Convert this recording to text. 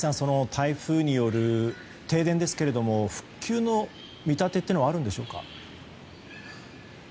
台風による停電ですが復旧の見立てはあるでしょうか。